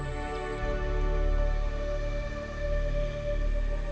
ketika kejalanan terdekat